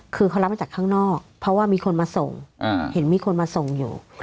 คือเขารับมาจากข้างนอกเพราะว่ามีคนมาส่งเห็นมีคนมาส่งอยู่